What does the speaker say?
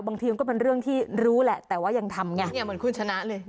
บางทีมันก็เป็นเรื่องที่รู้แหละแต่ว่ายังทำไงเนี่ยเหมือนคุณชนะเลย